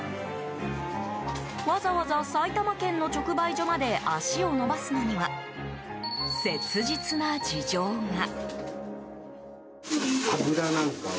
わざわざ、埼玉県の直売所まで足を伸ばすのには切実な事情が。